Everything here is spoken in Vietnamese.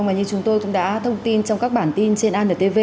như chúng tôi cũng đã thông tin trong các bản tin trên anntv